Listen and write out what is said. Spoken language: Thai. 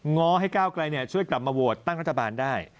ง้อให้ก้าวไกลช่วยกลับมาโหวตตั้งรัฐบาลได้